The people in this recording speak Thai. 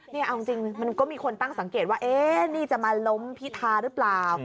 นี่เอาจริงมันก็มีคนตั้งสังเกตว่านี่จะมาล้มพิธาหรือเปล่า